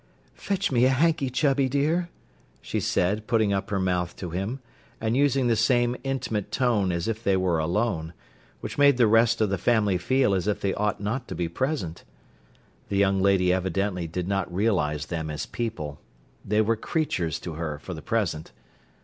"Fetch me a hanky, Chubby dear!" she said, putting up her mouth to him, and using the same intimate tone as if they were alone; which made the rest of the family feel as if they ought not to be present. The young lady evidently did not realise them as people: they were creatures to her for the present.